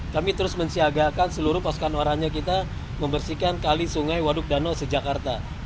kami terus mensiagakan seluruh pasukan warannya kita membersihkan kali sungai waduk danau sejak karta